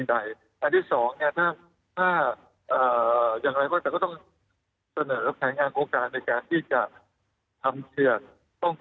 ค่ะตอนนี้นี่บพยพชาชนแบบพระญาติบ้านไปแล้วยังคะ